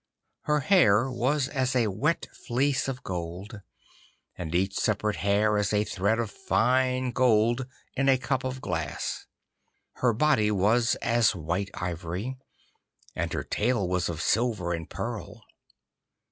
Her hair was as a wet fleece of gold, and each separate hair as a thread of fine gold in a cup of glass. Her body was as white ivory, and her tail was of silver and pearl.